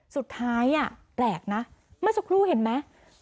สุดท้ายแปลกนะเมื่อสักครู่เห็นไหม